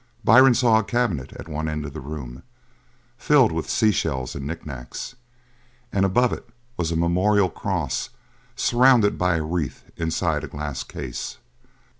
Byrne saw a cabinet at one end of the room, filled with sea shells and knicknacks, and above it was a memorial cross surrounded by a wreath inside a glass case.